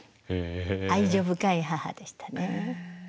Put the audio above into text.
愛情深い母でしたね。